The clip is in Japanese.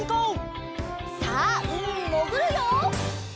さあうみにもぐるよ！